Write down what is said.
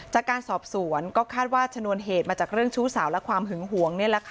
จากการสอบสวนก็คาดว่าชนวนเหตุมาจากเรื่องชู้สาวและความหึงหวง